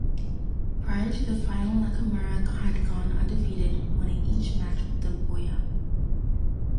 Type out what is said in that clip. Prior to the final Nakamura had gone undefeated, winning each match with the Bomaye.